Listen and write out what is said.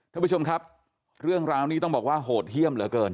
ท่านผู้ชมครับเรื่องราวนี้ต้องบอกว่าโหดเยี่ยมเหลือเกิน